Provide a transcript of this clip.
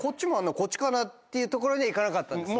こっちかなっていうところにはいかなかったんですね。